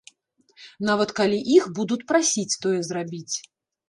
Нават калі іх будуць прасіць тое зрабіць.